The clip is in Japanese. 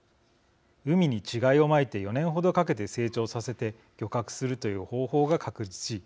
海に稚貝をまいて４年ほどかけて成長させて漁獲するという方法が確立し